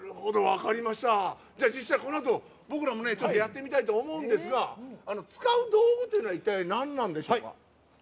実際、このあと僕らもやってみたいと思うんですが使う道具というのは一体、何なんでしょうか。